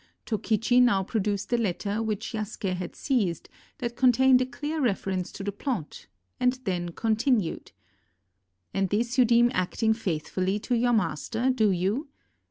Tokichi now produced a letter, which Yasuke had seized, that contained a clear reference to the plot, and then continued: "And this you deem acting faithfully to your master, do you?